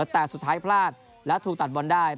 แต่สุดท้ายพลาดและถูกตัดบอลได้